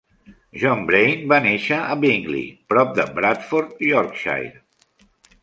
John Braine va néixer a Bingley, prop de Bradford, Yorkshire.